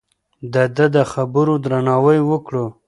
د ده د خبرو درناوی وکړو.